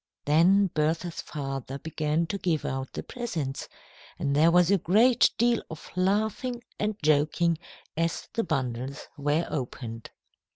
Then Bertha's father began to give out the presents, and there was a great deal of laughing and joking as the bundles were opened.